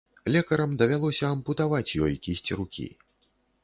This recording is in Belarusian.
Лекарам давялося ампутаваць ёй кісць рукі.